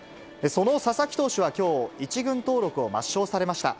その佐々木投手はきょう、１軍登録を抹消されました。